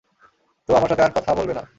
তো, আমার সাথে আর কথা বলবে না?